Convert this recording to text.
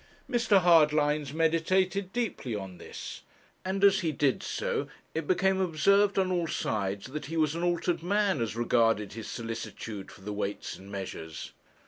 Mr. Hardlines meditated deeply on this, and, as he did so, it became observed on all sides that he was an altered man as regarded his solicitude for the Weights and Measures.